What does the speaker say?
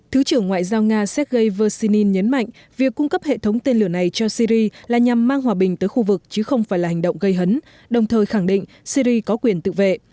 thứ trưởng ngoại giao nga sergei versin nhấn mạnh việc cung cấp hệ thống tên lửa này cho syri là nhằm mang hòa bình tới khu vực chứ không phải là hành động gây hấn đồng thời khẳng định syri có quyền tự vệ